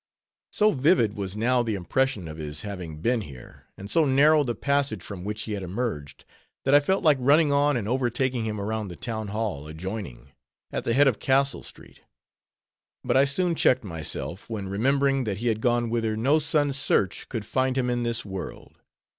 So vivid was now the impression of his having been here, and so narrow the passage from which he had emerged, that I felt like running on, and overtaking him around the Town Hall adjoining, at the head of Castle street. But I soon checked myself, when remembering that he had gone whither no son's search could find him in this world.